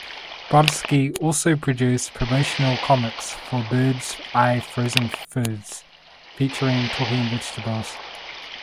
Brodsky also produced promotional comics for Bird's Eye frozen foods, featuring talking vegetables.